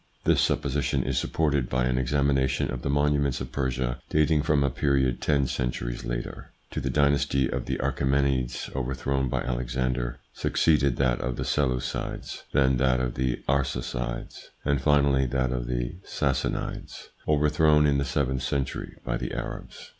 This supposition is supported by an examination of the monuments of Persia dating from a period ten centuries later. To the dynasty of the Achaemenides, overthrown by Alexander, succeeded that of the ITS INFLUENCE ON THEIR EVOLUTION 109 Seleucides, then that of the Arsacides, and finally that of the Sassanides, overthrown in the seventh century by the Arabs.